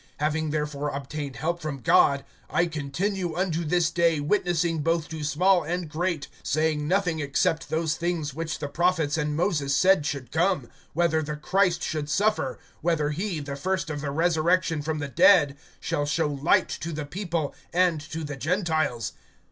(22)Having therefore obtained help from God, I continue unto this day, witnessing both to small and great, saying nothing except those things which the prophets and Moses said should come; (23)whether the Christ should suffer, whether he, the first of the resurrection from the dead, shall show light to the people and to the Gentiles.